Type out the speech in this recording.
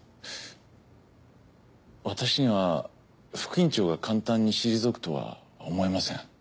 私には副院長が簡単に退くとは思えません。